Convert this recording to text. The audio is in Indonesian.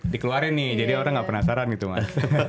dikeluarin nih jadi orang nggak penasaran gitu mas